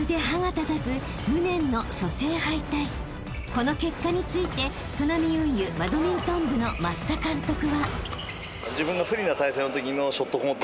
［この結果についてトナミ運輸バドミントン部の舛田監督は］